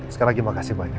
sekali lagi makasih banyak